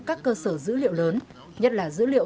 các cơ sở dữ liệu lớn nhất là dữ liệu